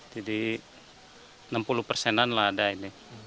jadi enam puluh persenan lah ada ini